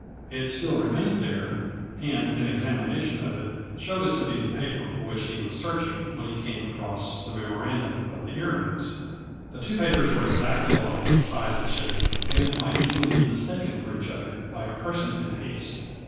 It still remained there, and an ex amination of it showed it to be the paper for which he was searching when he came across the memorandum of the ear rings. The two < FLURRY IN DIAMONDS. 219 papers were exactly alike in size and shape, and might easily be mistaken for each other by a person in haste.